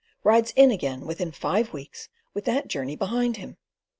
rides in again within five weeks with that journey behind him.